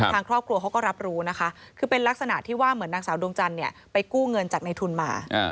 ทางครอบครัวเขาก็รับรู้นะคะคือเป็นลักษณะที่ว่าเหมือนนางสาวดวงจันทร์ไปกู้เงินจากในทุนมา